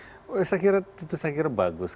saya kira itu bagus